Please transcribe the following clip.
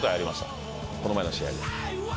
この前の試合で。